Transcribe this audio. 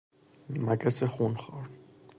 مگس خونخوار